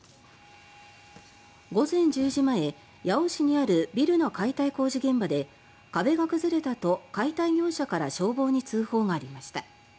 午前１０時前、八尾市にあるビルの解体工事現場で「壁が崩れた」と解体業者から消防に通報がありました。